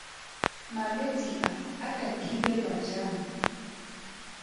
Malwetse a a ka thibelwa jang?